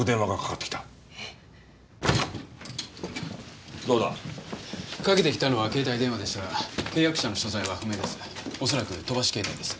かけてきたのは携帯電話でしたが契約者の所在は不明です。